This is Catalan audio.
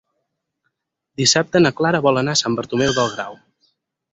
Dissabte na Clara vol anar a Sant Bartomeu del Grau.